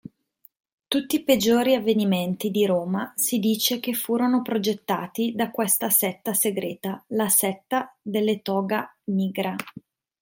Tutti i peggiori avvenimenti di Roma si dice che furono progettati da questa setta segreta, la setta delle Toga Nigra.